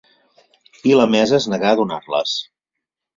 I la mesa es negà a donar-les.